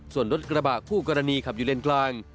ส่วนรถกระบะคู่กรณีขับอยู่เลนกลาง